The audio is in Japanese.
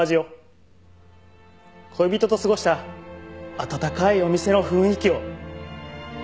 恋人と過ごした温かいお店の雰囲気を。